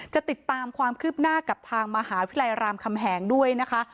จะติดตามความคืบหน้ากับทางมหาวิทยาลัยรามคำแหงด้วยนะคะ